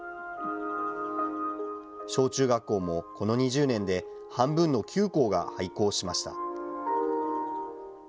小中学校もこの２０年で、半分の９校が廃校しました。